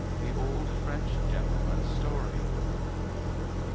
THE OLD FRENCH GENTLEMAN'S STORY.